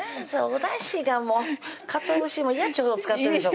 おだしがもうかつおぶしも嫌っちゅうほど使ってるでしょ